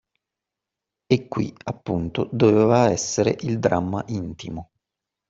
E qui appunto doveva essere il dramma intimo